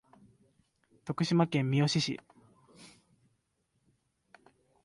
徳島県三好市